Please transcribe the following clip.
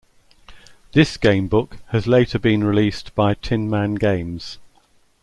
This gamebook has later been released by Tin Man Games.